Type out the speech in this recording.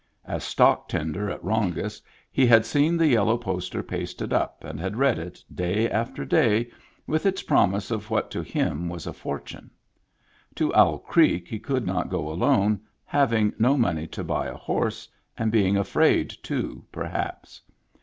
As stock tender at Rongis he had seen that yellow poster pasted up, and had read it, day after day, with its promise of what to him was a fortune. To Owl Creek he could not go alone, having no money to buy a horse, and being afraid, too, perhaps.